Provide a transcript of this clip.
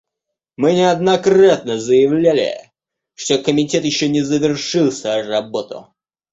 Мы неоднократно заявляли, что комитет еще не завершил свою работу.